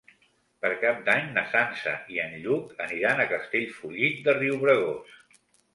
Per Cap d'Any na Sança i en Lluc aniran a Castellfollit de Riubregós.